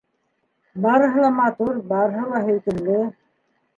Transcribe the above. Барыһы ла матур, барыһы ла һөйкөмлө.